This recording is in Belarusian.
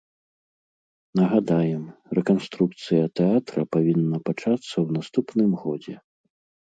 Нагадаем, рэканструкцыя тэатра павінна пачацца ў наступным годзе.